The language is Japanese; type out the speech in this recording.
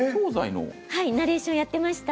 ナレーションやっていました。